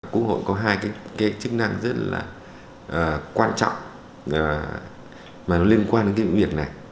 quốc hội có hai cái chức năng rất là quan trọng mà nó liên quan đến cái việc này